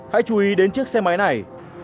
hãy chú ý đến chiếc xe máy này